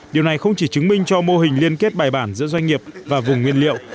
điều này không chỉ chứng minh cho mô hình liên kết bài bản giữa doanh nghiệp và vùng nguyên liệu